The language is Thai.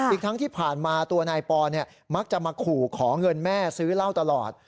อีกทั้งที่ผ่านมาตัวนายปอมักจะมาขู่ขอเงินแม่ซื้อเหล้าตลอด